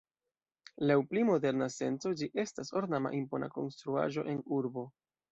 Laŭ pli moderna senco ĝi estas ornama impona konstruaĵo en urbo.